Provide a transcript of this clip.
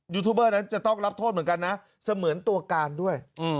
ทูบเบอร์นั้นจะต้องรับโทษเหมือนกันนะเสมือนตัวการด้วย